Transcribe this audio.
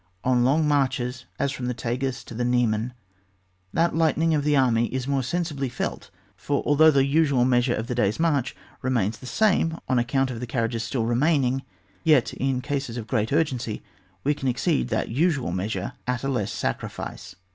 On long marches, as from the Tagus to the Niemen, that lightening of the army is more sensibly felt, for although the usual measure of the day's march remains the same on account of the car riages still remaining, yet, in cases of great urgency, we can exceed that usual measure at a less sacrifice.